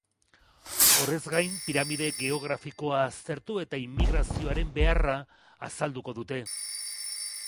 Horrez gain, piramide geografikoa aztertu eta immigrazioaren beharra azalduko dute.